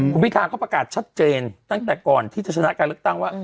คุณพิธาเขาประกาศชัดเจนตั้งแต่ก่อนที่จะชนะการเลือกตั้งว่า